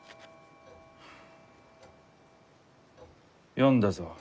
読んだぞ。